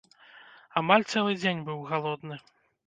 Амаль цэлы дзень быў галодны.